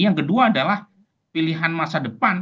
yang kedua adalah pilihan masa depan